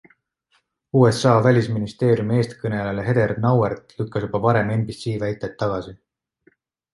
USA välisministeeriumi eestkõneleja Heather Nauert lükkas juba varem NBC väited tagasi.